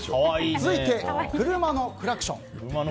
続いて、車のクラクション。